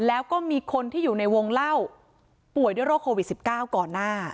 แล้วก็มีคนที่อยู่ในวงเล่าป่วยด้วยโรคโควิด๑๙ก่อนหน้า